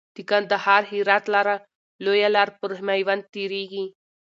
د کندهار هرات لاره لويه لار پر ميوند تيريږي .